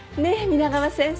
皆川先生。